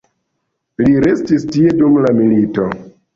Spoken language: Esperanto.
Li restis tie dum la milito.